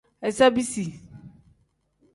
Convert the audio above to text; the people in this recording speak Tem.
Iza bisi.